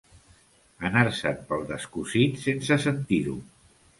Anar-se'n pel descosit sense sentir-ho.